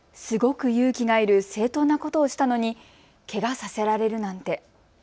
すごく勇気がいる正当なことをしたのにけがさせられるなんて。